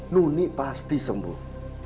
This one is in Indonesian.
nuni pasti sembuh